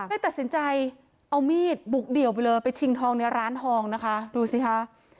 เลยตัดสินใจเอามีดบุกเดี่ยวไปเลยไปชิงทองในร้านทองนะคะดูสิคะ